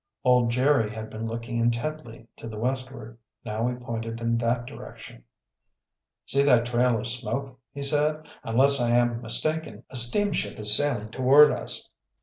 Old Jerry had been looking intently to the westward. Now he pointed in that direction. "See that trail of smoke," he said. "Unless I am mistaken a steamship is sailing toward us!"